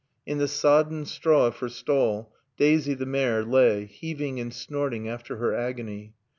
In the sodden straw of her stall, Daisy, the mare, lay, heaving and snorting after her agony.